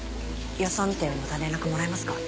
様子を見てまた連絡もらえますか？